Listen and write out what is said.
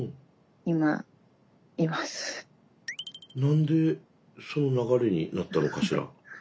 何でその流れになったのかしら。